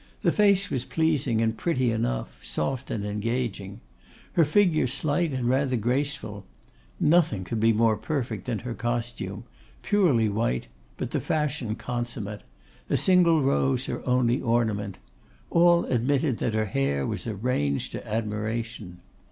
The face was pleasing, and pretty enough, soft and engaging. Her figure slight and rather graceful. Nothing could be more perfect than her costume; purely white, but the fashion consummate; a single rose her only ornament. All admitted that her hair was arranged to admiration.